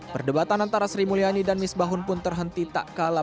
perdebatan antara sri mulyani dan misbahun pun terhenti tak kalah